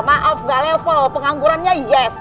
maaf gak level penganggurannya yes